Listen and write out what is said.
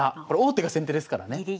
これ王手が先手ですからね。